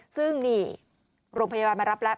ซึ่งนี่โรงพยาบาลมารับแล้ว